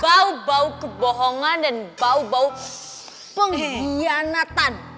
bau bau kebohongan dan bau bau pengkhianatan